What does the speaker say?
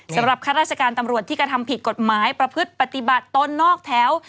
ข้าราชการตำรวจที่กระทำผิดกฎหมายประพฤติปฏิบัติตนนอกแถว